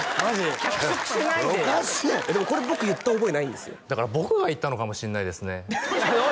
脚色しないでよでもこれ僕言った覚えないんですよだから僕が言ったのかもしれないですね